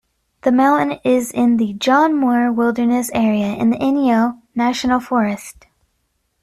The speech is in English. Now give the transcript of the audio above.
The mountain is in the John Muir Wilderness Area in the Inyo National Forest.